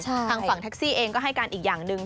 ทางฝั่งแท็กซี่เองก็ให้การอีกอย่างหนึ่ง